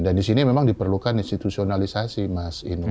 dan di sini memang diperlukan institusionalisasi mas inu